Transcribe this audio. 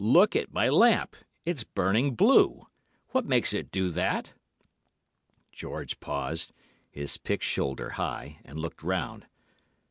'Look at my lamp! It's burning blue! What makes it do that?' "George paused—his pick shoulder high—and looked round.